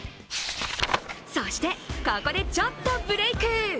そして、ここでちょっとブレーク。